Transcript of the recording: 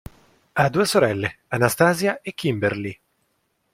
Ha due sorelle Anastasia e Kimberly.